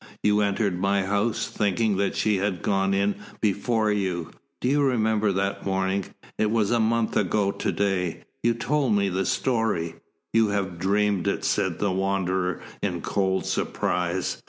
You entered my house, thinking that she had gone in before you. Do you remember that morning? It was a month ago to day. You told me the story." "You have dreamed it," said the Wanderer in cold surprise.